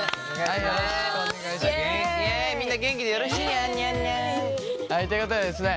はいということでですね